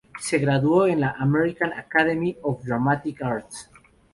Se graduó en la American Academy of Dramatic Arts.